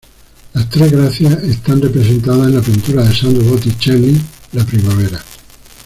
Las tres Gracias están representadas en la pintura de Sandro Botticelli, ""La primavera"".